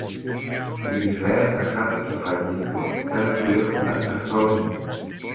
Η ιδέα να χάσει το φαγί του δεν του ήρχουνταν καθόλου.